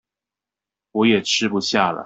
我也吃不下了